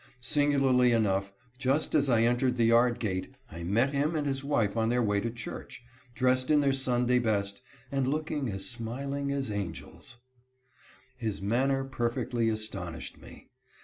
Singularly enough, just as I entered the yard gate I met him and his wife on their way to church, dressed in their Sunday best, and looking as smiling as angels. 172 PIOUS COVEY. His manner perfectly astonished me.